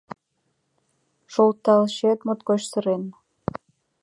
Шолталчет моткоч сырен